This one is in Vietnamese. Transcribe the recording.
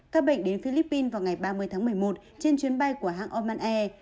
các bệnh đến philippines vào ngày ba mươi tháng một mươi một trên chuyến bay của hãng oman air